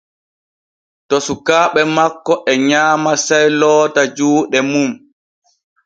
To sukaaɓe makko e nyaama sey loota juuɗe mum.